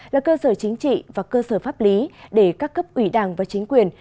là cơ sở chính trị và cơ sở pháp lý để các cấp ủy đảng và chính quyền